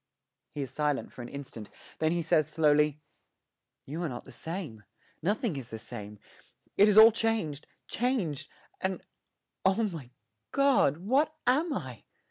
He is silent for an instant; then he says slowly, 'You are not the same nothing is the same: it is all changed changed and oh, my God, what am I?'